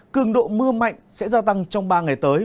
cường độ mưa mạnh sẽ gia tăng trong ba ngày tới